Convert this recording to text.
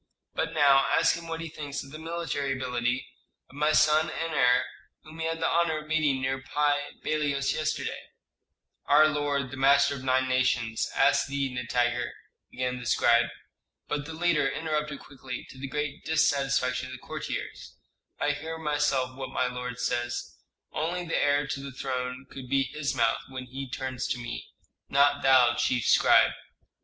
But now ask him what he thinks of the military ability of my son and heir, whom he had the honor of meeting near Pi Bailos yesterday." "Our lord, the master of nine nations, asks thee, Nitager " began the scribe. But the leader interrupted quickly, to the great dissatisfaction of the courtiers, "I hear myself what my lord says. Only the heir to the throne could be his mouth when he turns to me; not thou, chief scribe."